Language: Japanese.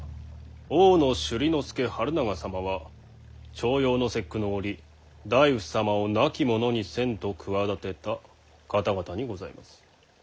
大野修理亮治長様は重陽の節句の折内府様を亡き者にせんと企てた方々にございます。